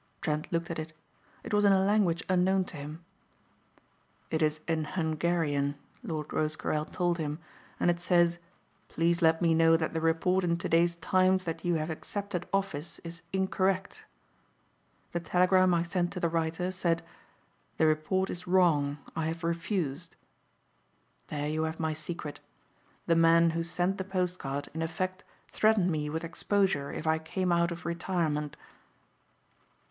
Trent looked at it. It was in a language unknown to him. "It is in Hungarian," Lord Rosecarrel told him, "and it says, 'Please let me know that the report in today's Times that you have accepted office is incorrect.' The telegram I sent to the writer said: 'The report is wrong. I have refused.' There you have my secret. The man who sent the post card, in effect, threatened me with exposure if I came out of retirement."